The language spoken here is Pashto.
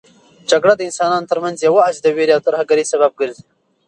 جګړه د انسانانو ترمنځ یوازې د وېرې او ترهګرۍ سبب ګرځي.